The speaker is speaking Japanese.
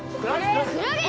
クラゲ！？